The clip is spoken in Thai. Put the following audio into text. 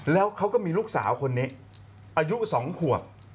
แล้วเขาก็มีลูกสาวคนนี้อายุ๒ขวบ